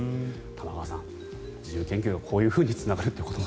玉川さん、自由研究がこういうふうにつながるという。